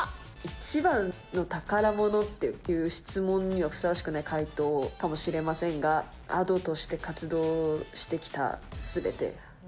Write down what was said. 一番の宝物っていう質問にはふさわしくない回答かもしれませんが、Ａｄｏとして活動してきたすべて。